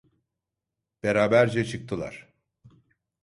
Beraberce çıktılar.